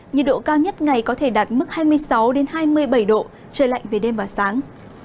nhiệt độ cao nhất ngày có thể đạt mức hai mươi sáu hai mươi bảy độ trời lạnh về đêm và sáng